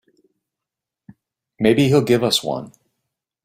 Maybe he'll give us one.